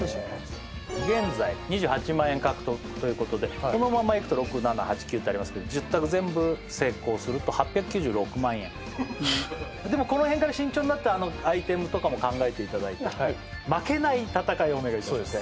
現在２８万円獲得ということでこのままいくと６７８９ってありますけど１０択全部成功すると８９６万円でもこの辺から慎重になってアイテムとかも考えていただいて負けない戦いをお願いしますそうですね